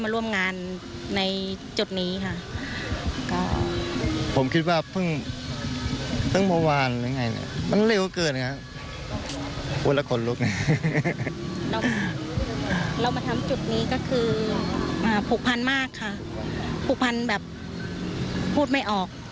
อารมณ์ของพี่ดีที่แล้วได้